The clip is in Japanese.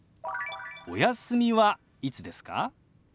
「お休みはいつですか？」。